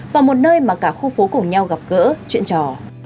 và một nơi mà cả khu phố cùng nhau gặp gỡ chuyện trò